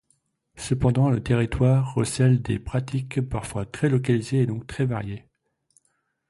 Cependant, le territoire recèle des pratiques parfois très localisées et donc très variées.